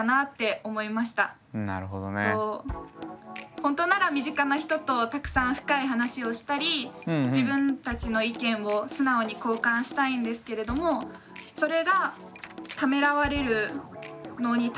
ほんとなら身近な人とたくさん深い話をしたり自分たちの意見を素直に交換したいんですけれどもそれがためらわれるのに対して何だかモンモンするような気がします。